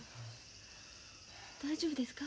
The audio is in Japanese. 大丈夫ですか？